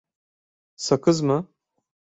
Sakız mı?